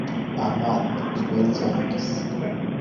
Amat ibeel cheringis